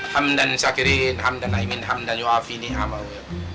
hamdan syakirin hamdan naimin hamdan yaafini amau